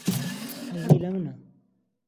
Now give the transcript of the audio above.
حەزی لە منە؟